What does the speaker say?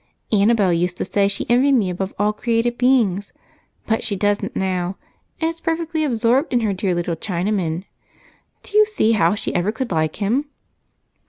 Annabel used to say she envied me above all created beings, but she doesn't now, and is perfectly absorbed in her dear little Chinaman. Do you see how she ever could like him?"